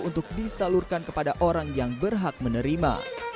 untuk disalurkan kepada orang yang berhak menerima